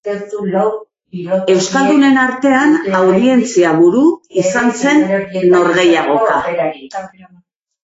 Euskaldunen artean audientzia-buru izan zen norgehiagoka.